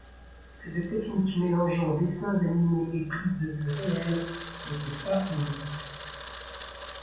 Cette technique mélangeant dessins animés et prises de vues réelles n'était pas inédite.